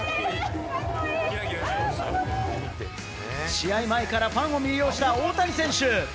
試合前からファンを魅了した大谷選手。